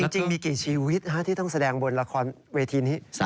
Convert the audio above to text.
จริงมีกี่ชีวิตที่ต้องแสดงบนละครเวทีนี้